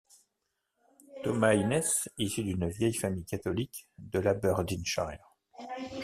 Thomas Innes issu d’un vieille famille catholique de l’Aberdeenshire.